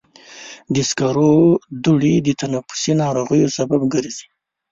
د سکرو دوړې د تنفسي ناروغیو سبب ګرځي.